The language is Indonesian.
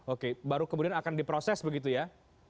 oke baru kemudian akan diproses begitu ya